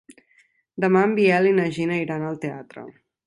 Demà en Biel i na Gina iran al teatre.